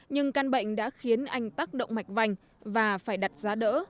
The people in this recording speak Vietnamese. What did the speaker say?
nhưng căn bệnh đã khiến anh tác động mạch vành và phải đặt giá đỡ